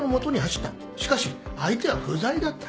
しかし相手は不在だった。